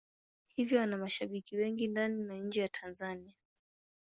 Hivyo ana mashabiki wengi ndani na nje ya Tanzania.